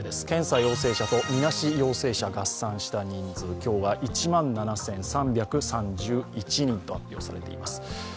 検査陽性者とみなし陽性者合算した人数今日が１万７３３１人と発表されています。